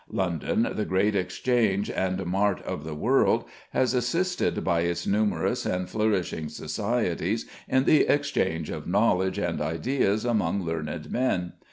London, the great exchange and mart of the world, has assisted by its numerous and flourishing societies in the exchange of knowledge and ideas among learned men.